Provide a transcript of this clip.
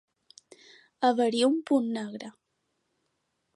Haver-hi un punt negre.